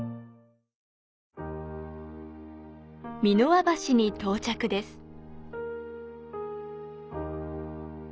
三ノ輪橋に到着です。